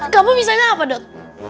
kamu bisa yang apa dok